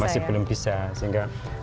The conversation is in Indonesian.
masih belum bisa sehingga